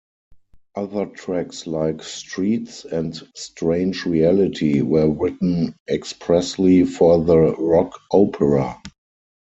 Other tracks like "Streets" and "Strange Reality" were written expressly for the rock opera.